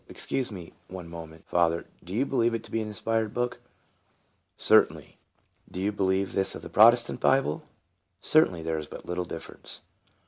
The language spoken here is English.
Excuse me one moment, father; do you believe it to be an inspired book ?"" Certainly." " Do you believe this of the Protestant Bible ?"" Certainly; there is but little difference."